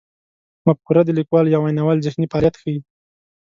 مفکوره د لیکوال یا ویناوال ذهني فعالیت ښيي.